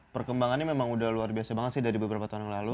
perkembangannya memang udah luar biasa banget sih dari beberapa tahun yang lalu